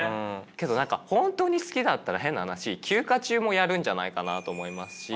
けど何か本当に好きだったら変な話休暇中もやるんじゃないかなと思いますし。